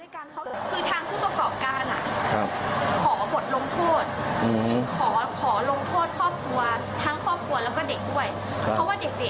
คือทางผู้ประกอบการขอบทลงโพธิ